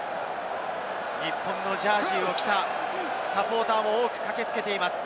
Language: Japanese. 日本のジャージーを着たサポーターも多く駆けつけています。